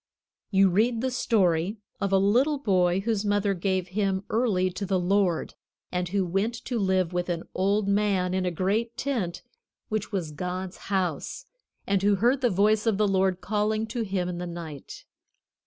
You read the story of a little boy whose mother gave him early to the Lord, and who went to live with an old man in a great tent, which was God's house, and who heard the voice of the Lord calling to him in the night.